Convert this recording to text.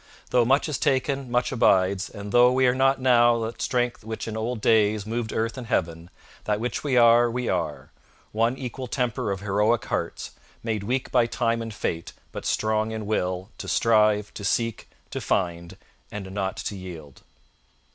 Tho' much is taken, much abides; and tho' We are not now that strength which in old days Moved earth and heaven; that which we are, we are; One equal temper of heroic hearts, Made weak by time and fate, but strong in will To strive, to seek, to find, and not to yield.